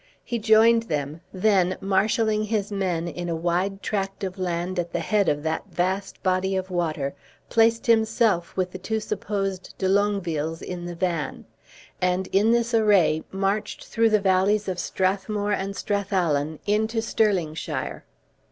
He joined them; then marshaling his men in a wide tract of land at the head of that vast body of water, placed himself with the two supposed De Longuevilles in the van; and in this array marched through the valleys of Strathmore and Strathallen, into Stirlingshire.